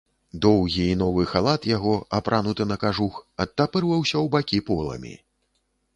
Доўгі і новы халат яго, апрануты на кажух, адтапырваўся ў бакі поламі.